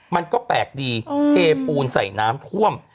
มันก็แปลกดีเทปูนใส่น้ำท่วม